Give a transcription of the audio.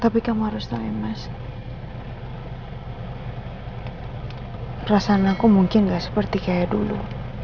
perasaan aku mungkin gak seperti kayak dulu